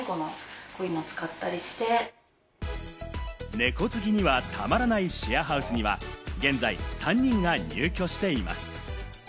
猫好きにはたまらないシェアハウスには、現在３人が入居しています。